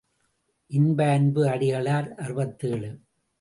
இன்ப அன்பு அடிகளார் அறுபத்தேழு.